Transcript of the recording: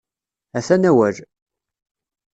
Atan awal.